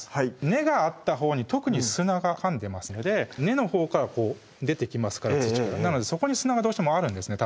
根があったほうに特に砂がかんでますので根のほうから出てきますからなのでそこに砂がどうしてもあるんですね